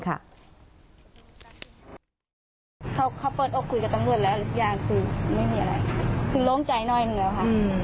เขาเข้าเปิดอกคุยกับทำเงินแล้วอีกอย่างคือไม่มีอะไรค่ะคือลงใจหน่อยมันก็ค่ะ